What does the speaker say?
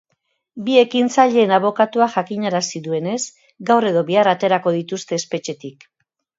Bi ekintzaileen abokatuak jakinarazi duenez, gaur edo bihar aterako dituzte espetxetik.